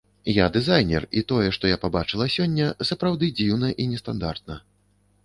Я дызайнер і тое, што я пабачыла сёння, сапраўды дзіўна і нестандартна.